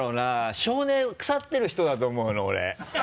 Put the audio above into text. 性根腐ってる人だと思うの俺。